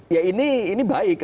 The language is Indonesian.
ya ini baik